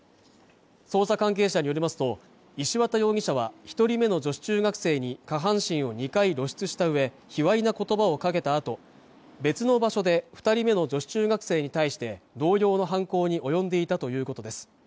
捜査関係者によりますと石渡容疑者は一人目の女子中学生に下半身を２回露出した上卑わいな言葉をかけたあと別の場所で二人目の女子中学生に対して同様の犯行に及んでいたということです